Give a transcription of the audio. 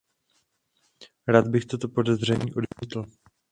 Rád bych toto podezření odmítl.